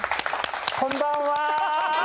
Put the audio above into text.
こんばんは。